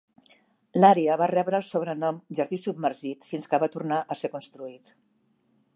L'àrea va rebre el sobrenom "Jardí submergit" fins que va tornar a ser construït.